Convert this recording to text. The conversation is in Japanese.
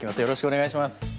よろしくお願いします。